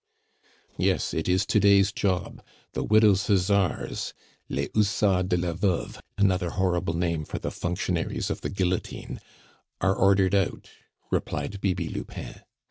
"Yes, it is to day's job, the 'widow's huzzars'" (les hussards de la veuve, another horrible name for the functionaries of the guillotine) "are ordered out," replied Bibi Lupin.